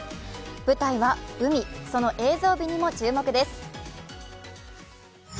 舞台は海、その映像美にも注目です